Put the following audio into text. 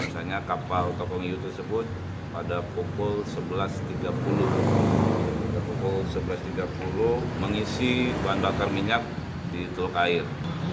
misalnya kapal kapal nusantara tersebut pada pukul sebelas tiga puluh mengisi bantuan bakar minyak di tuluk air